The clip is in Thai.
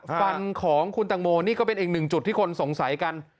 ฟันของคุณตังโมนี่ก็เป็นอีกหนึ่งจุดที่คนสงสัยกัน